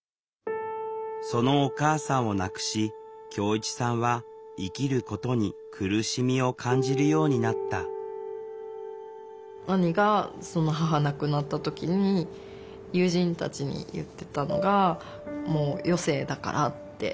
そのお母さんを亡くし恭一さんは生きることに苦しみを感じるようになった兄がその母亡くなった時に友人たちに言ってたのが「もう余生だから」って。